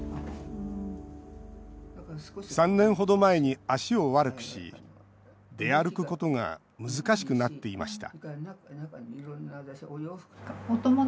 ３年程前に足を悪くし出歩くことが難しくなっていました